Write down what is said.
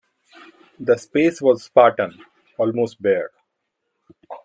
The space was spartan, almost bare.